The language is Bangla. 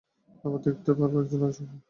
আবার দেখতেও পারব একজন আরেকজনকে।